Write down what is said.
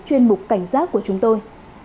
chuyên mục cảnh giác của chúng tôi